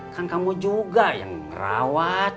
kan kamu juga yang merawat